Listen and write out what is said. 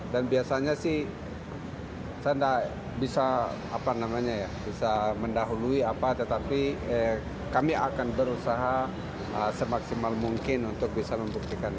dan biasanya sih saya tidak bisa mendahului apa tetapi kami akan berusaha semaksimal mungkin untuk bisa membuktikan itu